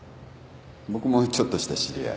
僕もちょっとした知り合い。